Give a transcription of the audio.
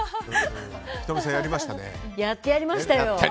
やってやりましたよ！